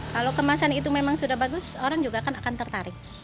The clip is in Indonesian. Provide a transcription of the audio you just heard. kalau kemasan itu memang sudah bagus orang juga akan tertarik